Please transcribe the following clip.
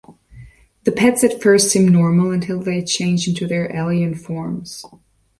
The pets at first seem normal, until they change into their alien forms.